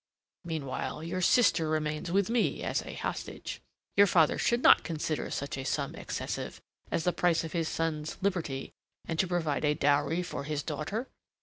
Meanwhile, your sister remains with me as a hostage. Your father should not consider such a sum excessive as the price of his son's liberty and to provide a dowry for his daughter.